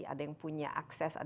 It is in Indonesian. ada yang punya akses